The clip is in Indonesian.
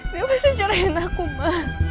dia pasti ceraiin aku ma